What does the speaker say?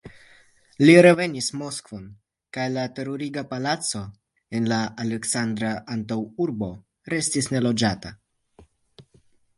Li revenis Moskvon, kaj la teruriga palaco en la Aleksandra antaŭurbo restis neloĝata.